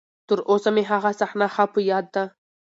تر اوسه مې هغه صحنه ښه په ياد ده.